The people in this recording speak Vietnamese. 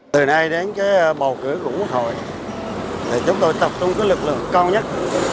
từ nay đến bầu cử của quốc hội chúng tôi tập trung với lực lượng con nhất